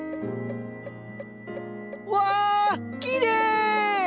うわきれい！